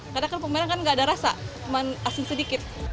karena kerupuk merah kan gak ada rasa cuma asin sedikit